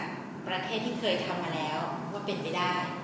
มีข้อมูลจากประเทศที่เคยทำมาแล้วว่าเป็นไปได้